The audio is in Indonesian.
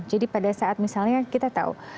jadi pada saat misalnya kita tahu